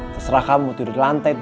terserah kamu tidur di lantai